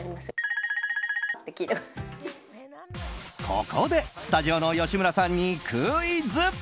ここでスタジオの吉村さんにクイズ！